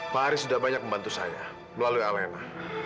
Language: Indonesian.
pak aris sudah banyak membantu saya melalui alena